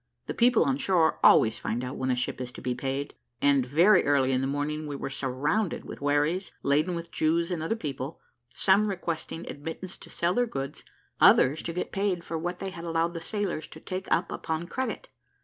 The people on shore always find out when a ship is to be paid, and very early in the morning we were surrounded with wherries, laden with Jews and other people, some requesting admittance to sell their goods, others to get paid for what they had allowed the sailors to take up upon credit.